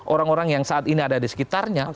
orang orang yang saat ini ada di sekitarnya